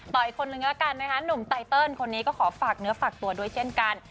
ต่ออีกคนนึงก็แล้วกันนะคะหนุ่มไตเติลคนนี้ก็ขอฝากเนื้อฝากตัวด้วยเช่นกัน